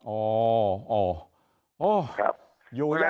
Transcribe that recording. โออวววววยูแป๊บ